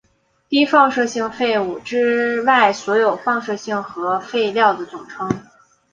低放射性废物之外所有放射性核废料的总称。